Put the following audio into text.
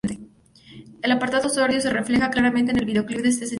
El apartado sórdido se refleja, claramente, en el videoclip de este sencillo.